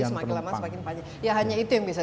semakin lama semakin panjang ya hanya itu yang bisa